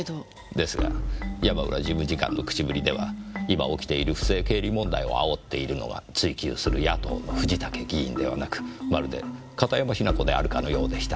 ですが山浦事務次官の口ぶりでは今起きている不正経理問題をあおっているのは追及する野党の藤竹議員ではなくまるで片山雛子であるかのようでした。